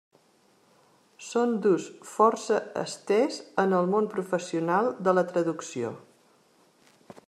Són d'ús força estès en el món professional de la traducció.